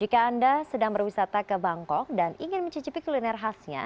jika anda sedang berwisata ke bangkok dan ingin mencicipi kuliner khasnya